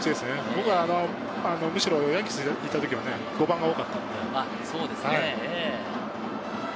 僕はむしろリラックスしていた時は５番が多かったので。